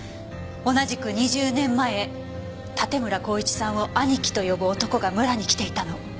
同じく２０年前盾村孝一さんを兄貴と呼ぶ男が村に来ていたの。